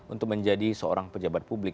untuk menjadi seorang pejabat publik